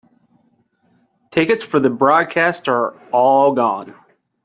Tickets for the broadcast are all gone.